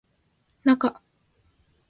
なか